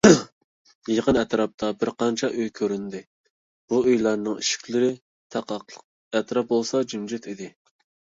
يېقىن ئەتراپتا بىرقانچە ئۆي كۆرۈندى، بۇ ئۆيلەرنىڭ ئىشىكلىرى تاقاقلىق، ئەتراپ بولسا جىمجىت ئىدى.